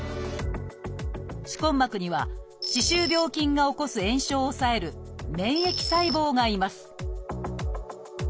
歯根膜には歯周病菌が起こす炎症を抑える免疫細胞がいます